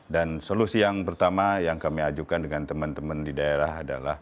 dan solusi yang pertama yang kami ajarkan adalah